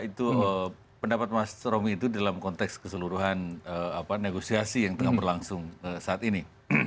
itu pendapat mas romy itu dalam konteks keseluruhan negosiasi yang tengah berlangsung saat ini